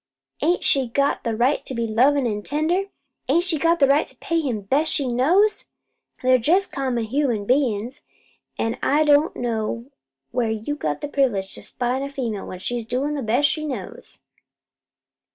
Ain't she got a right to be lovin' and tender? Ain't she got a right to pay him best she knows? They're jest common human bein's, an' I don't know where you got privilege to spy on a female when she's doin' the best she knows."